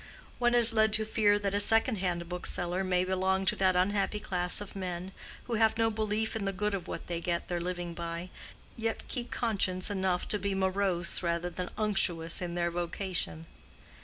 One is led to fear that a second hand bookseller may belong to that unhappy class of men who have no belief in the good of what they get their living by, yet keep conscience enough to be morose rather than unctuous in their vocation.